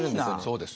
そうです。